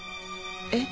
えっ？